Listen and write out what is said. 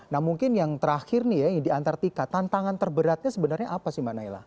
nah mungkin yang terakhir nih ya yang di antartika tantangan terberatnya sebenarnya apa sih mbak naila